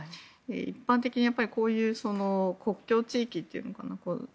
一般的にこういう国境地域というのかな